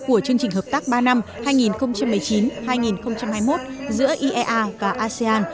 của chương trình hợp tác ba năm hai nghìn một mươi chín hai nghìn hai mươi một giữa iea và asean